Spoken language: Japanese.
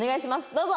どうぞ！